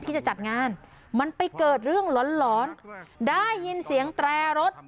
ที่จะจัดงานมันไปเกิดเรื่องหลอนได้ยินเสียงแตรรถ